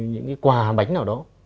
những quà bánh nào đó